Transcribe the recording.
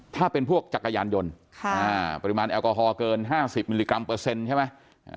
ถ้าเป็นพวกจักรยานยนต์ปริมาณแอลกอฮอลเกิน๕๐มิลลิกรัมเปอร์เซ็นต์ใช่ไหม